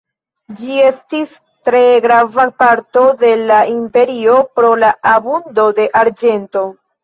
Ĝi estis tre grava parto de la imperio pro la abundo de arĝento.